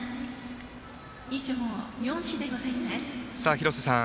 廣瀬さん